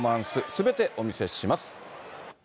すべてお見せします。